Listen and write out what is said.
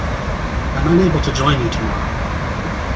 I am unable to join you tomorrow.